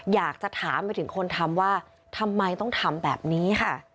อยากจะถามไปถึงคนทำว่าทำไมต้องทำแบบนี้ค่ะ